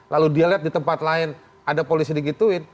lalu dia lihat di tempat lain ada polisi digituin